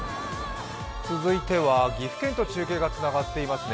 続いては岐阜県と中継がつながっていますね。